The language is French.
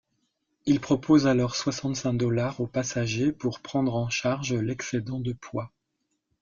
Il propose alors soixante-cinq dollars aux passagers pour prendre en charge l'excédent de poids.